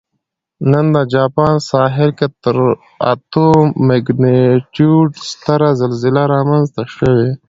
نن د جاپان ساحل کې تر اتو مګنیټیوډ ستره زلزله رامنځته شوې